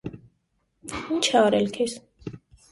Ի՞նչ է արել քեզ.